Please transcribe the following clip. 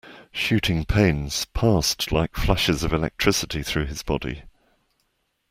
Shooting pains passed like flashes of electricity through his body.